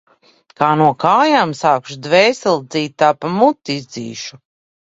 Kā no kājām sākšu dvēseli dzīt, tā pa muti izdzīšu.